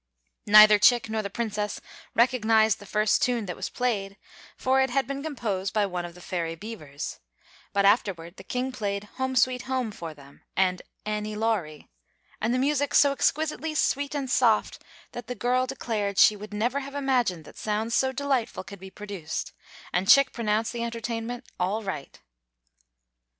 Neither Chick nor the Princess recognized the first tune that was played, for it had been composed by one of the Fairy Beavers; but afterward the King played "Home, Sweet Home," for them, and "Annie Laurie"; and the music so exquisitely sweet and soft that the girl declared she would never have imagined that sounds so delightful could be produced, and Chick pronounced the entertainment "all right."